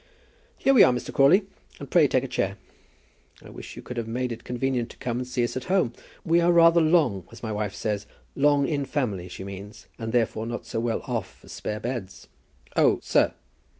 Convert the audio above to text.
"Here we are, Mr. Crawley, and pray take a chair. I wish you could have made it convenient to come and see us at home. We are rather long, as my wife says, long in family, she means, and therefore are not very well off for spare beds " "Oh, sir."